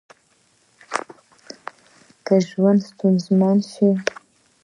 که ژوند ستونزمن شي